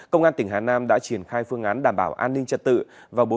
công an tỉnh hà nam đã triển khai phương án đảm bảo an ninh trật tự